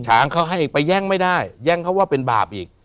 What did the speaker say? ช้างเขาให้อีกไปแย่งไม่ได้แย่งเขาว่าเป็นบาปอีก